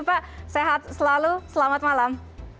pak sehat selalu selamat malam